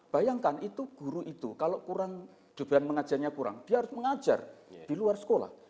bayangkan itu guru itu kalau kurang beban mengajarnya kurang dia harus mengajar di luar sekolah